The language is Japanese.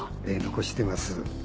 えぇ残してます。